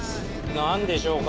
何でしょうか？